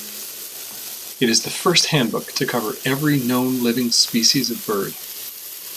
It is the first handbook to cover every known living species of bird.